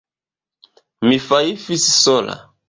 Mi fajfis sola.